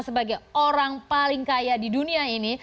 sebagai orang paling kaya di dunia ini